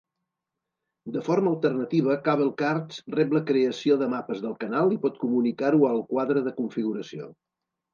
De forma alternativa, CableCards rep la creació de mapes del canal i pot comunicar-ho al quadre de configuració.